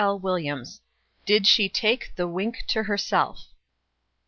DID SHE TAKE THE WINK TO HERSELF?